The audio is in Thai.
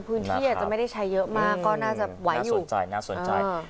พื้นที่อาจจะไม่ได้ใช้เยอะมากก็น่าจะไว้อยู่น่าสนใจ